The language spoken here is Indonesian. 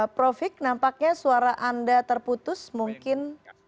prof hik nampaknya suara anda terputus mungkin